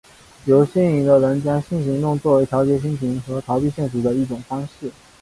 有性瘾的人将性行动作为调节心情和逃避现实的一种方式。